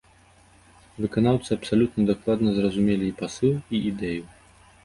Выканаўцы абсалютна дакладна зразумелі і пасыл, і ідэю.